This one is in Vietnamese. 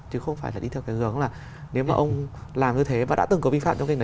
chứ không phải là đi theo cái hướng là nếu mà ông làm như thế và đã từng có vi phạm trong việc này